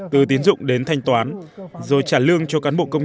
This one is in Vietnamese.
từ tiến dụng đến thanh toán rồi trả lương cho cán bộ công